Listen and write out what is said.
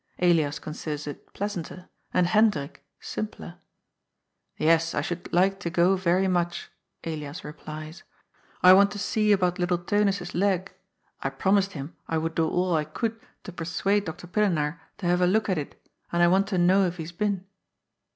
Elias considers it pleasanter, and Hendrik — simpler. " Yes, I should like to go very much," Elias replies. " I want to see about little Tennis's leg. I promised him I would do all I could to persuade Dr. Pillenaar to have a look at it, and I want to know if he's been."